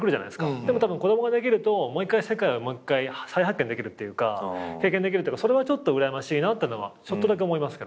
でも子供ができるともう一回世界を再発見できるっていうか経験できるそれはちょっとうらやましいなってのはちょっとだけ思いますけど。